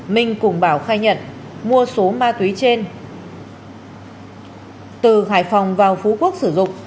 minh cùng bảo khai nhận mua số ma túy trên từ hải phòng vào phú quốc sử dụng